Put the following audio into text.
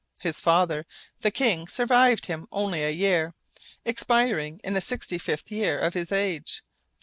His father, the king, survived him only a year, expiring in the sixty fifth year of his age, 1377.